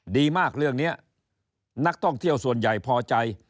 ดีมากเรื่องนี้นักท่องเที่ยวส่วนใหญ่พอใจ